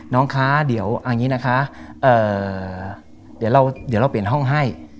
น้องคะเดี๋ยวเอาอย่างนี้นะคะเดี๋ยวเราเปลี่ยนห้องให้